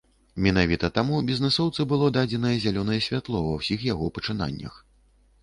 Менавіта таму бізнэсоўцу было дадзенае зялёнае святло ва ўсіх яго пачынаннях.